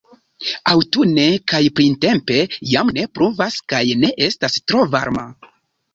Aŭtune kaj printempe jam ne pluvas kaj ne estas tro varma.